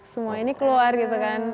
semua ini keluar gitu kan